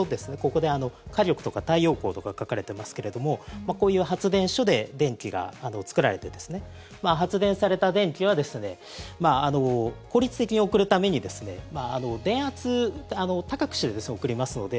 ここで火力とか太陽光とか書かれてますけどこういう発電所で電気が作られて発電された電気は効率的に送るために電圧を高くしてるんですね送りますので。